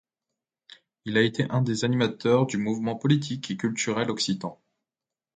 Il a été un des animateurs du mouvement politique et culturel occitan.